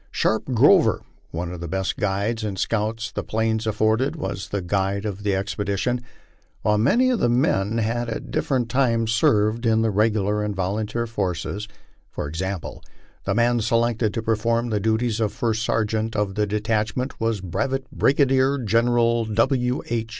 Sharpe Grover, one of the best guides and scouts the Plains afforded, was the guide of the expedition, while many of the men had at different times served in the regular and volunteer forces; for example, the man selected to perform the duties of First Sergeant of the detachment was Brevet Brigadier General W. H.